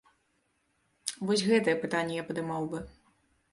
Вось гэтыя пытанні я падымаў бы.